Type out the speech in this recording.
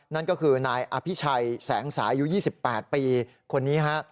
นั่นก็คือนายอภิชัยแสงสายุ๒๘ปีคนนี้ฮะ